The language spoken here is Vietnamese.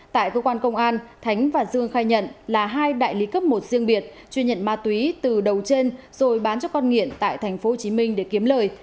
tại cơ quan công an thánh và dương khai nhận là hai đại lý cấp một riêng biệt chuyên nhận ma túy từ đầu trên rồi bán cho con nghiện tại tp hcm để kiếm lời